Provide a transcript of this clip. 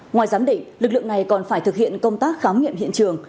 ngoài giám định lực lượng này còn phải thực hiện công tác khám nghiệm hiện trường